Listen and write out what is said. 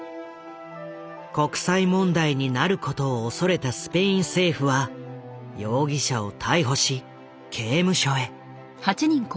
国際問題になることを恐れたスペイン政府は容疑者を逮捕し刑務所へ。